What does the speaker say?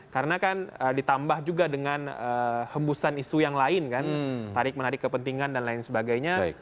karena kan ditambah juga dengan hembusan isu yang lain kan tarik menarik kepentingan dan lain sebagainya